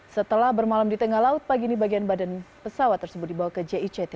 setelah bermalam di tengah laut pagi ini bagian badan pesawat tersebut dibawa ke jict